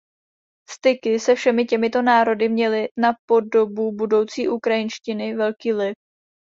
Styky se všemi těmito národy měly na podobu budoucí ukrajinštiny velký vliv.